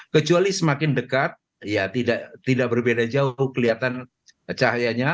kecuali semakin dekat ya tidak berbeda jauh kelihatan cahayanya